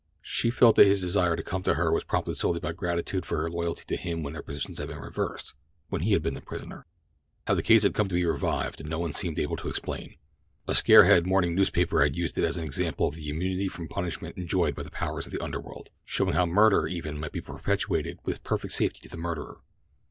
She felt that his desire to come to her was prompted solely by gratitude for her loyalty to him when their positions had been reversed—when he had been the prisoner. How the case had come to be revived no one seemed able to explain. A scarehead morning newspaper had used it as an example of the immunity from punishment enjoyed by the powers of the underworld—showing how murder, even, might be perpetrated with perfect safety to the murderer.